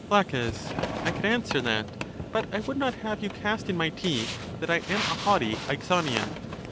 La. I could answer that; but I would not have you cast in my teeth that I am a haughty Aexonian.